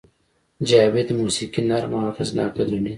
جاوید موسیقي نرمه او اغېزناکه ګڼي